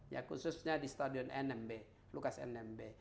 ya khususnya di stadion nmb lukas nmb